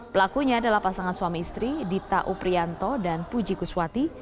pelakunya adalah pasangan suami istri dita uprianto dan puji kuswati